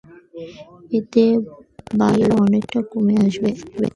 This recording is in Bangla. এতে বাল্যবিয়ে অনেকটাই কমে আসবে।